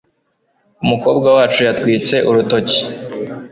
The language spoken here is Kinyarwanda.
Umukobwa wacu yatwitse urutoki.